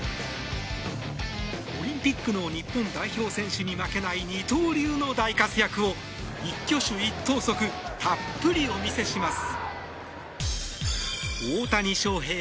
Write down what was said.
オリンピックの日本代表選手に負けない二刀流の大活躍を一挙手一投足たっぷりお見せします。